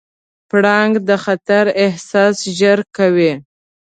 پړانګ د خطر احساس ژر کوي.